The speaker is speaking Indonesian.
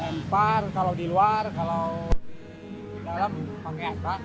lempar kalau di luar kalau dalam pakai apa